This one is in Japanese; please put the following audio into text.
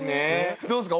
どうですか？